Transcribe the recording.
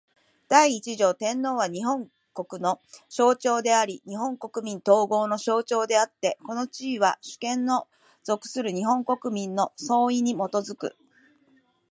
第一条天皇は、日本国の象徴であり日本国民統合の象徴であつて、この地位は、主権の存する日本国民の総意に基く。